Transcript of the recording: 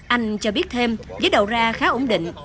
anh cho biết thêm với đầu ra khá ổn định